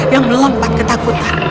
yang melompat ketakutan